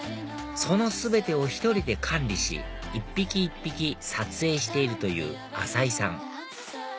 その全てを１人で管理し一匹一匹撮影しているという浅井さん